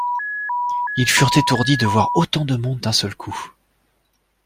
Ils furent étourdis de voir autant de monde d’un seul coup.